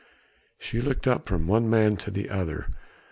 She looked up from one man to the other.